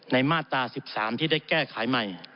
มาตรา๑๓ที่ได้แก้ไขใหม่